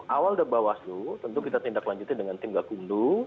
awal dari bawaslu tentu kita tindak lanjuti dengan tim gakumdu